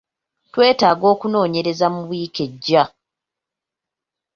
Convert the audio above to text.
Twetaaga okunoonyereza mu wiiki ejja.